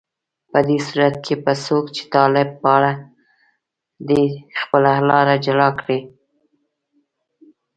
په دې صورت کې به څوک چې طالب پاله دي، خپله لاره جلا کړي